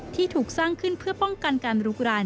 ที่ถูกสร้างขึ้นเพื่อป้องกันการลุกราน